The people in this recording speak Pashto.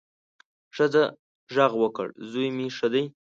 ښځه غږ وکړ، زوی مې ښه دی.